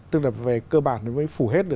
tức là về cơ bản mới phủ hết